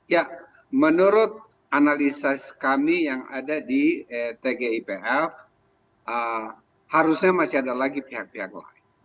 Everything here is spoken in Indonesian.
ya menurut analisis kami yang ada di tgipf harusnya masih ada lagi pihak pihak lain